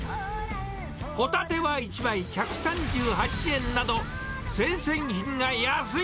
ホタテは１枚１３８円など、生鮮品が安い。